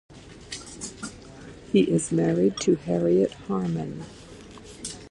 He is married to Harriet Harman.